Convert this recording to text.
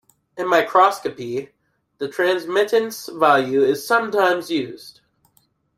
In microscopy, the transmittance value is sometimes used.